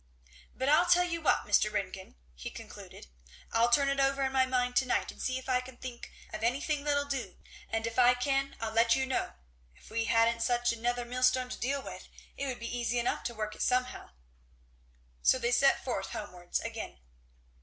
"But I'll tell you what, Mr. Ringgan," he concluded, "I'll turn it over in my mind to night and see if I can think of any thing that'll do, and if I can I'll let you know. If we hadn't such a nether millstone to deal with, it would be easy enough to work it somehow." So they set forth homewards again.